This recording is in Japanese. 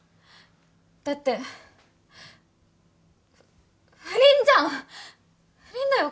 だってふ不倫じゃん不倫だよ